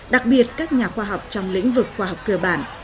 đặc biệt các nhà khoa học trong lĩnh vực khoa học cơ bản